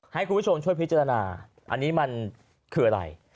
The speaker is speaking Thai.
ให้คุณผู้ชมช่วยพิจารณาคืออะไร